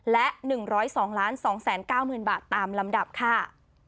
และ๑๐๒๒๙๐๐๐บาทตามลำดับค่ะ